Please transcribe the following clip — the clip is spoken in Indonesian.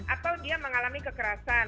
atau dia mengalami kekerasan